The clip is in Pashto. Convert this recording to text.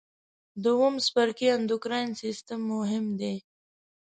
د اووم څپرکي اندورکاین سیستم مهم دی.